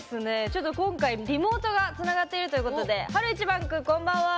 ちょっと今回リモートがつながっているということで晴いちばん君こんばんは。